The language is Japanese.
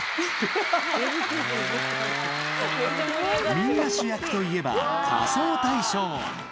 「みんな主役」といえば「仮装大賞」。